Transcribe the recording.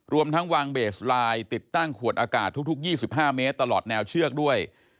รวมทั้งวางเบสไลน์ติดตั้งขวดอากาศทุก๒๕เมตรตลอดแนวเชือกด้วย